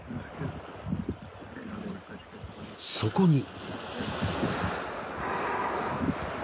［そこに］